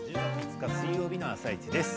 １０月５日水曜日の「あさイチ」です。